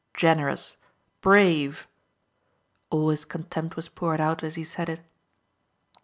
Generous! Brave!" All his contempt was poured out as he said it.